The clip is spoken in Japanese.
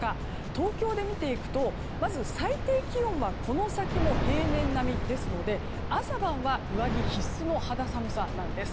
東京で見ていくとまず最低気温はこの先も平年並みですので朝晩は上着必須の肌寒さなんです。